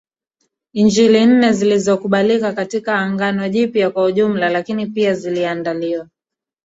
Injili nne zilizokubalika katika Agano Jipya kwa jumla lakini pia ziliandaliwa